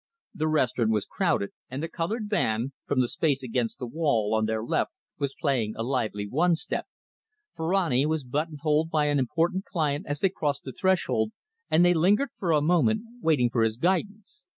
The restaurant was crowded, and the coloured band, from the space against the wall on their left, was playing a lively one step. Ferrani was buttonholed by an important client as they crossed the threshold, and they lingered for a moment, waiting for his guidance.